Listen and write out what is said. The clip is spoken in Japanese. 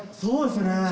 「そうですね」